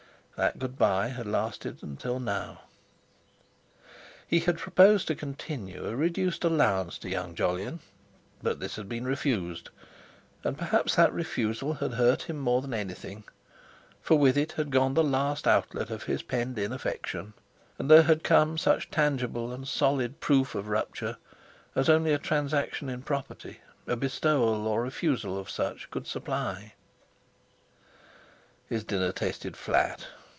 That good bye had lasted until now. He had proposed to continue a reduced allowance to young Jolyon, but this had been refused, and perhaps that refusal had hurt him more than anything, for with it had gone the last outlet of his penned in affection; and there had come such tangible and solid proof of rupture as only a transaction in property, a bestowal or refusal of such, could supply. His dinner tasted flat.